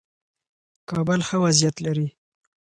کابل ښه وضعیت لري.